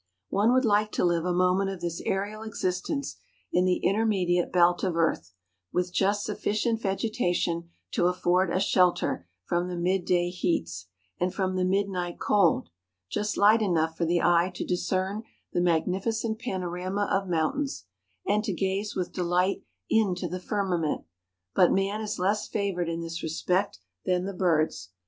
... One would like to live a moment of this aerial existence in the intermediate belt of earth, with just sufficient vegetation to afford a shelter from the mid day heats and from the mid night cold, just light enough for the eye to discern the magnificent panorama of mountains, and to gaze with delight into the firmament; but man is less favoured in this respect than the birds.